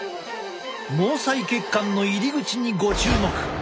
毛細血管の入り口にご注目。